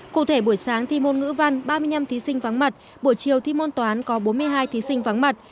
cụ thể buổi sáng thi môn ngữ văn ba mươi năm thí sinh vắng mặt buổi chiều thi môn toán có bốn mươi hai thí sinh vắng mặt